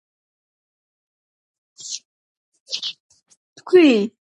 აღიზარდა იეზუიტების სკოლაში, რომელმაც მას რელიგიური ფანატიზმი შთააგონა.